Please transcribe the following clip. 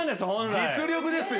実力ですよ！